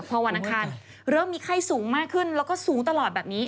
พอวันอังคารเริ่มมีไข้สูงมากขึ้นแล้วก็สูงตลอดแบบนี้